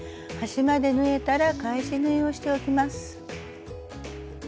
端まで縫えたら返し縫いをしておきます。